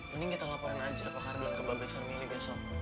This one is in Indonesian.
mending kita laporan aja pak ardun ke bagasan ini besok